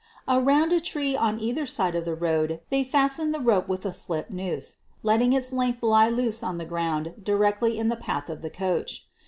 Around a tree on either side of the road they fastened the rope with a slip noose, letting its length lie loose on the ground directly in the path of the coach.